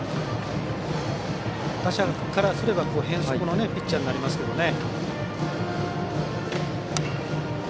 打者からすると変則のピッチャーになりますね。